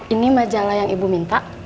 ini majalah yang ibu minta